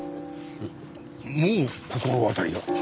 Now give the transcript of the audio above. もう心当たりが？